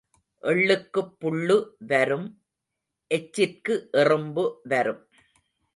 எள்ளுக்குப் புள்ளு வரும் எச்சிற்கு எறும்பு வரும்.